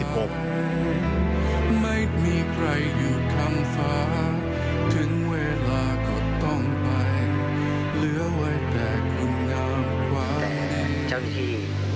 จำเป็นว่าสวิสุทธิ์การนำความถูกกักกับชีวิต